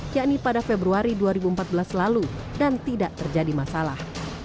yakni pada februari dua ribu empat belas lalu dan tidak terjadi masalah